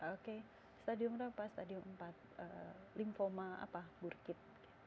oke stadium rapah stadium empat linfoma apa burkit